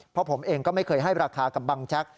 เพราะผมเองก็ไม่เคยให้ราคากับบังแจ๊ก